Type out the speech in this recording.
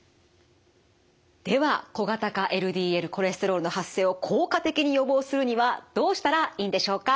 では小型化ＬＤＬコレステロールの発生を効果的に予防するにはどうしたらいいんでしょうか。